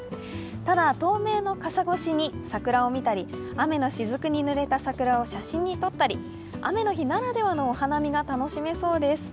ただ、透明の傘越しに桜を見たり雨のしずくにぬれた桜を写真に撮ったり、雨の日ならではのお花見が楽しめそうです。